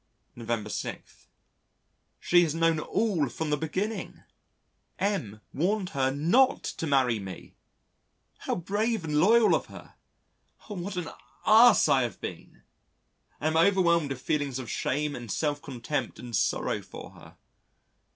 November 6. She has known all from the beginning! M warned her not to marry me. How brave and loyal of her! What an ass I have been. I am overwhelmed with feelings of shame and self contempt and sorrow for her.